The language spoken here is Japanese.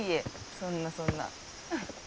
そんなそんな。